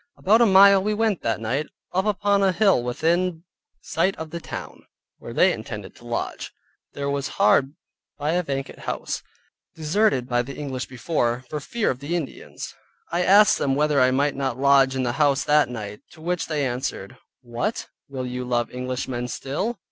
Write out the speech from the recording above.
About a mile we went that night, up upon a hill within sight of the town, where they intended to lodge. There was hard by a vacant house (deserted by the English before, for fear of the Indians). I asked them whether I might not lodge in the house that night, to which they answered, "What, will you love English men still?"